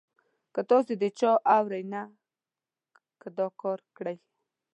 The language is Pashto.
خو تاسې د چا اورئ نه، که دا کار کړئ.